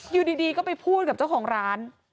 อยู่ดีก็ไปพูดกับเจ้าของร้าน